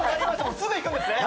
すぐ行くんですね。